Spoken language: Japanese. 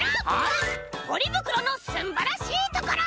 ポリぶくろのすんばらしいところ！